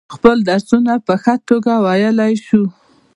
خپل درسونه په ښه توگه ویلای شو.